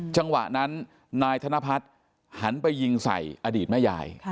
จังหวะนั้นนายธนพัฒน์หันไปยิงใส่อดีตแม่ยาย